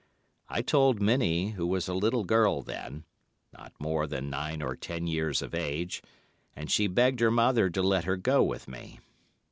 I told Minnie, who was a little girl then, not more than nine or ten years of age, and she begged her mother to let her go with me.